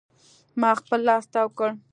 ما خپل لاس تاو کړ.